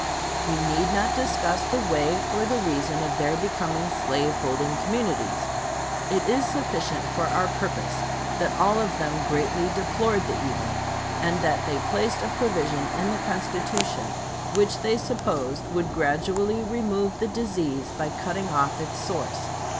We need not discuss the way or the reason of their becoming slave holding communities. It is sufficient for our purpose that all of them greatly deplored the evil and that they placed a provision in the Constitution which they supposed would gradually remove the disease by cutting off its source.